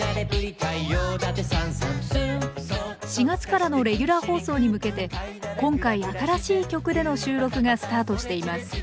４月からのレギュラー放送に向けて今回新しい曲での収録がスタートしています。